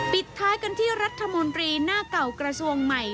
ปิดท้ายกันที่รัฐมนตรีหน้าเก่ากระทรวงใหม่